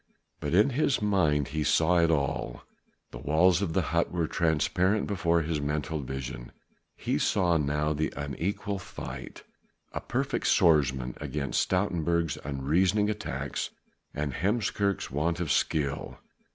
But in his mind he saw it all: the walls of the hut were transparent before his mental vision, he saw now the unequal fight; a perfect swordsman against Stoutenburg's unreasoning attacks and Heemskerk's want of skill.